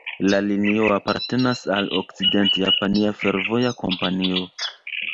La linio apartenas al Okcident-Japania Fervoja Kompanio.